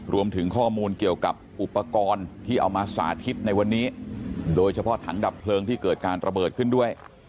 รวมถึงข้อมูลเกี่ยวกับอุปกรณ์ที่เอามาสาธิตในวันนี้โดยเฉพาะถังดับเพลิงที่เกิดการระเบิดขึ้นด้วย